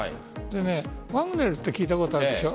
ワグネルって聞いたことあるでしょ。